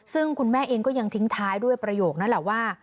ซึ่งคุณแม่เองก็ยังทิ้งท้ายด้วยประโยคนั้นแหละว่า